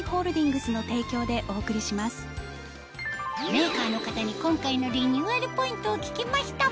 メーカーの方に今回のリニューアルポイントを聞きました